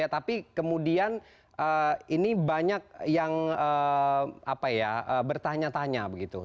tapi kemudian ini banyak yang bertanya tanya begitu